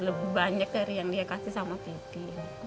lebih banyak dari yang dia kasih sama vicky